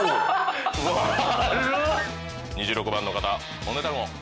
２６番の方お値段を。